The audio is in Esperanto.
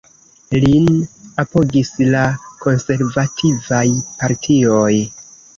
Lin apogis la konservativaj partioj.